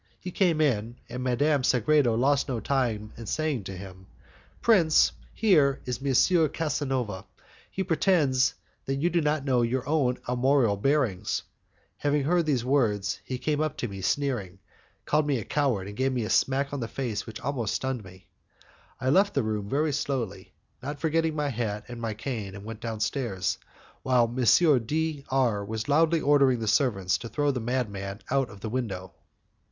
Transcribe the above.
He came in, and Madame Sagredo lost no time in saying to him, "Prince, here is M. Casanova; he pretends that you do not know your own armorial bearings." Hearing these words, he came up to me, sneering, called me a coward, and gave me a smack on the face which almost stunned me. I left the room very slowly, not forgetting my hat and my cane, and went downstairs, while M. D R was loudly ordering the servants to throw the madman out of the window.